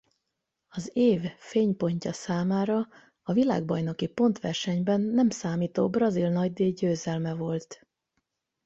Az év fénypontja számára a világbajnoki pontversenyben nem számító brazil nagydíj győzelme volt.